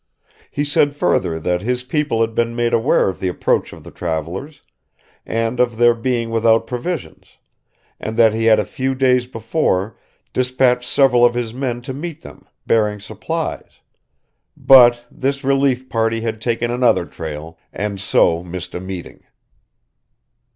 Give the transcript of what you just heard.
He said further that his people had been made aware of the approach of the travelers, and of their being without provisions, and that he had a few days before dispatched several of his men to meet them, bearing supplies; but this relief party had taken another trail, and so missed a meeting.